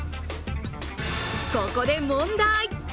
ここで問題。